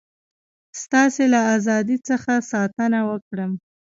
ستاسي له ازادی څخه ساتنه وکړم.